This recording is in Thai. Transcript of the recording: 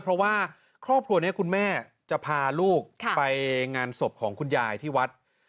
เพราะว่าครอบครัวนี้คุณแม่จะพาลูกไปงานศพของคุณยายที่วัด